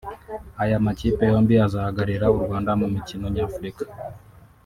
Aya makipe yombi azahagararira u Rwanda mu mikino nyafurika